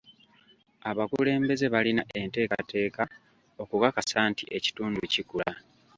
Abakulembeze balina enteekateeka okukakasa nti ekitundu kikula.